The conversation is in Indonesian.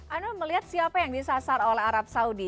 anda melihat siapa yang disasar oleh arab saudi